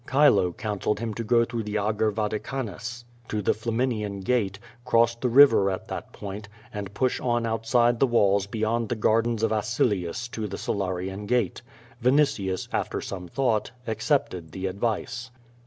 Chilo counselled him to go through the Ager Vaticanus to the Flaminian Gate, cross the river at that point, and push on outside the walls beyond the gardens of Acilius to the Salarian Gate. Vinitius, after some thought, accepted the advice.